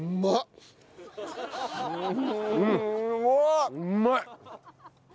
うまい。